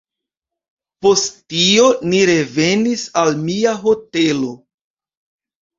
Post tio ni revenis al mia hotelo.